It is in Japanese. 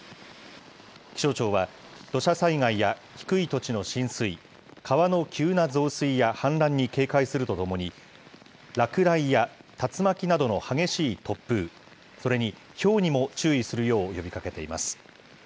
気象庁は、土砂災害や低い土地の浸水、川の急な増水や氾濫に警戒するとともに、落雷や竜巻などの激しい突風、それにひょうにも注意するよう呼びかけています。